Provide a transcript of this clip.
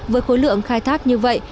với khối lượng khai thác như vậy